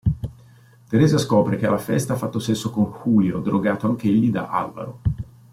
Teresa scopre che alla festa ha fatto sesso con Julio, drogato anch'egli da Alvaro.